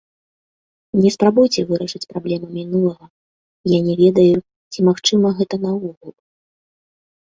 Не спрабуйце вырашыць праблемы мінулага, я не ведаю, ці магчыма гэта наогул.